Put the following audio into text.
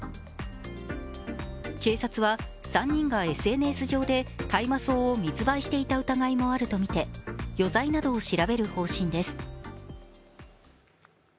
警察は３人がＳＮＳ上で大麻草を密売していた疑いもあるとみて余罪などを調べる方針です。